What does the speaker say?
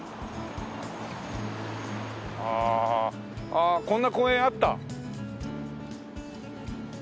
ああこんな公園あった。